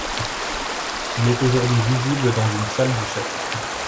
Il est aujourd'hui visible dans une salle du Chapitre.